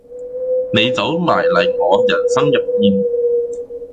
你走埋嚟我人生入面